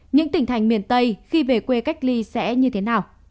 những tỉnh thành miền tây khi về quê cách ly sẽ như thế nào